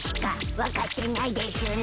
分かってないでしゅな。